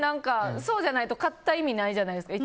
そうじゃないと買った意味ないじゃないですか。